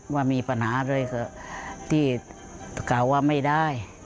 ว่ามีปัญหาเลยเขากล่าวว่าไม่ได้